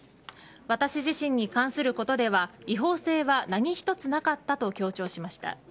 私自身に関することでは違法性は何一つなかったと強調しました。